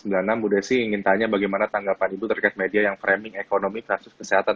bu desi ingin tanya bagaimana tanggapan ibu terkait media yang framing ekonomi kasus kesehatan